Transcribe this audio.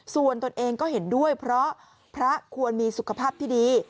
ส่วนตนเองก็เห็นด้วยเพราะพระควรมีสุขภาพที่ดี